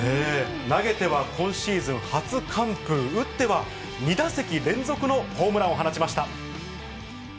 投げては今シーズン、初完封、打っては２打席連続のホームランを放ちました。